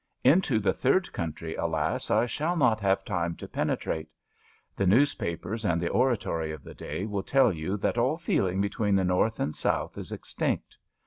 Into the third country, alas! I shall not have time to penetrate. The newspapers and the oratory of the day will tell you that all feeling between the North and South is extinct.